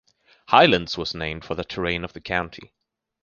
Highlands was named for the terrain of the county.